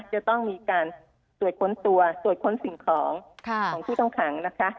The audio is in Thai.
จะต้องมีการตรวจค้นตัวตรวจค้นสิ่งของของผู้ต้องขังนะคะ